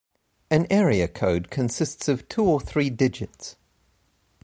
An area code consists of two or three digits.